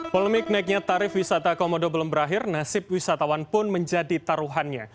polemik naiknya tarif wisata komodo belum berakhir nasib wisatawan pun menjadi taruhannya